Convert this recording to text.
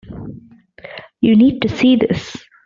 You need to see this.